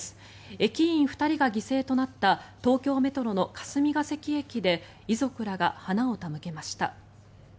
駅員２人が犠牲となった東京メトロの霞ケ関駅で遺族らが花を手向けました。